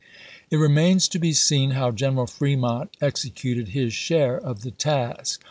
It remains to be seen how Greneral Fremont ex ecuted his share of the task.